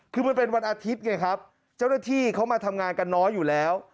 คือมันเป็นวันอาทิตย์ไงครับเจ้าหน้าที่เขามาทำงานกันน้อยอยู่แล้ว